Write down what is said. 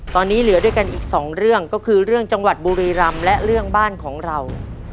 ตอนนี้เหลือด้วยกันอีกสองเรื่องก็คือเรื่องจังหวัดบุรีรำและเรื่องบ้านของเรา